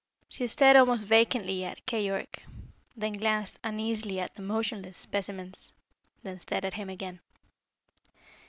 She stared almost vacantly at Keyork, then glanced uneasily at the motionless specimens, then stared at him again.